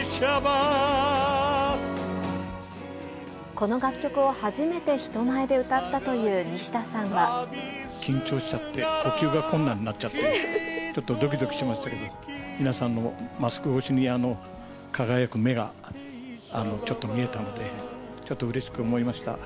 この楽曲を初めて人前で歌ったと緊張しちゃって、呼吸が困難になっちゃって、ちょっとどきどきしましたけど、皆さんのマスク越しに輝く目がちょっと見えたので、ちょっとうれしく思いました。